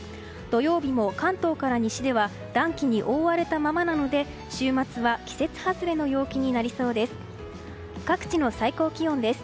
土曜日も関東から西では暖気に覆われたままなので週末は季節外れの陽気になりそうです。